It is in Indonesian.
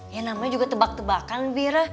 ya namanya juga tebak tebakan bira